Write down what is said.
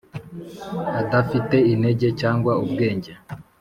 adafite intege cyangwa ubwenge